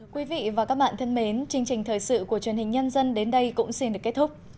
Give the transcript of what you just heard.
quý vị và các bạn thân mến chương trình thời sự của truyền hình nhân dân đến đây cũng xin được kết thúc